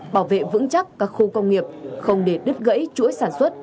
bảo vệ vững chắc các khu công nghiệp không để đứt gãy chuỗi sản xuất